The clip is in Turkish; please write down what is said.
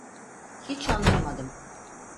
Hiç anlamadım.